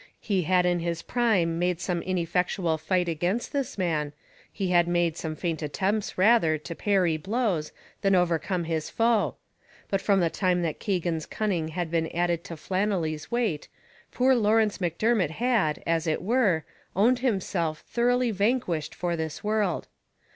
He had in his prime made some ineffectual fight again this man, he had made some faint attempts rather to parry blows, than overcome his foe; but from the time that Keegan's cunning had been added to Flannelly's weight, poor Lawrence Macdermot had, as it were, owned himself thoroughly vanquished for this world.